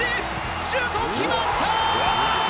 シュート、決まった！